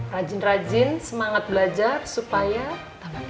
rajin rajin semangat belajar supaya tambah pindah